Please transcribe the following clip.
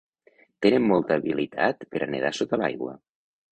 Tenen molta habilitat per a nedar sota l'aigua.